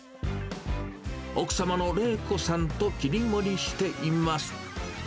奥様の玲子さんと切り盛りしています。